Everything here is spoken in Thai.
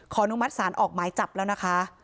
นุมัติศาลออกหมายจับแล้วนะคะ